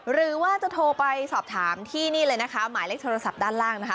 หรือว่าจะโทรไปสอบถามที่นี่เลยนะคะหมายเลขโทรศัพท์ด้านล่างนะคะ